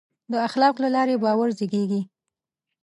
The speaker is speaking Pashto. د اخلاقو له لارې باور زېږي.